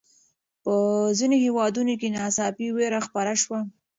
په ځینو هېوادونو کې ناڅاپي ویره خپره شوه.